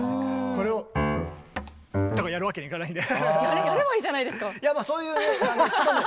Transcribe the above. これを。とかやるわけにはいかないんで。